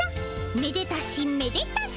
めでたしめでたし